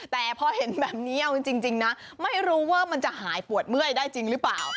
แต่พอเห็นแบบนี้เอาจริงนะไม่รู้ว่ามันจะหายปวดเมื่อยได้จริงหรือเปล่า